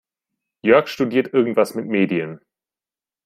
Jörg studiert irgendwas mit Medien.